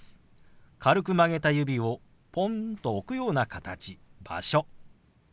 軽く曲げた指をポンと置くような形「場所」。